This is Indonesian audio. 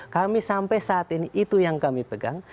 kami sampai saat ini itu yang kami pegang